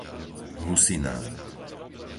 Husiná